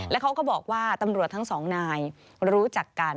แล้วเขาก็บอกว่าตำรวจทั้งสองนายรู้จักกัน